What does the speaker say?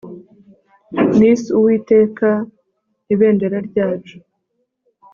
NISSIUWITEKA IBENDERA RYACU